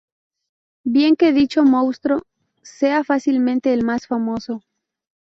Bien que dicho monstruo sea fácilmente el más famoso.